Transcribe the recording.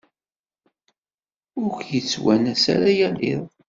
Ur k-yettwanas ara yal iḍ.